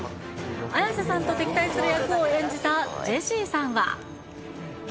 綾瀬さんと敵対する役を演じたジェシーさんは。